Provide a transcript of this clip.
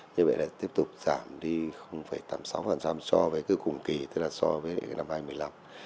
như vậy là tiếp tục giảm đi tám mươi sáu so với cùng kỳ tức là so với năm hai nghìn một mươi năm